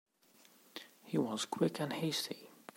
He was quick and hasty.